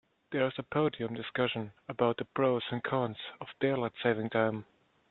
There's a podium discussion about the pros and cons of daylight saving time.